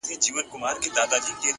خوږ دی مرگی چا ويل د ژوند ورور نه دی”